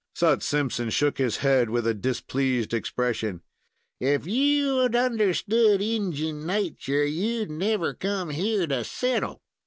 Sut Simpson shook his head with a displeased expression. "If you'd understood Injin nature, you'd never come here to settle.